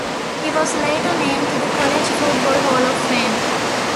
He was later named to the College Football Hall of Fame.